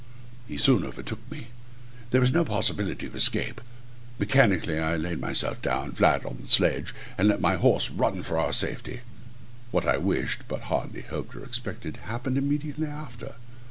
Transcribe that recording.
He soon overtook me. There was no possibility of escape. Mechanically I laid myself down flat in the sledge, and let my horse run for our safety. What I wished, but hardly hoped or expected, happened immediately after.